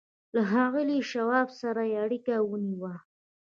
له ښاغلي شواب سره یې اړیکه ونیوه